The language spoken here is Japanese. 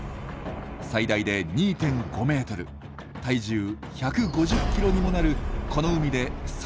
最大で２．５メートル体重１５０キロにもなるこの海で最強の魚です。